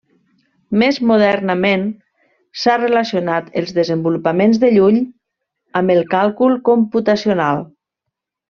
Més modernament s'ha relacionat els desenvolupaments de Llull amb el càlcul computacional.